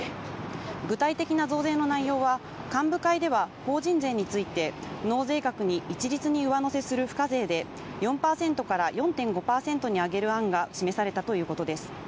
具体的な増税の内容は幹部会では法人税について納税額に一律に上乗せする付加税で４％から４．５％に上げる案が示されたということです。